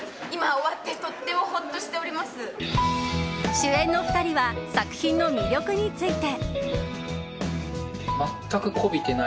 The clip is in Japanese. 主演の２人は作品の魅力について。